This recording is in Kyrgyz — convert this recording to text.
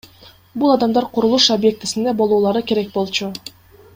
Бул адамдар курулуш объектисинде болуулары керек болчу.